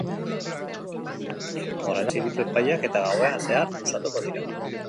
Horrela, atxilotuen galdeketak hasi ditu epaileak eta gauean zehar luzatuko dira.